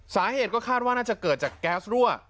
สาเหตุก็คาดว่าน่าจะเกิดจากแก๊สรั่ว